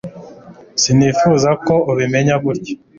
sinifuzaga ko ubimenya gutya